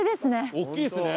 大きいですね！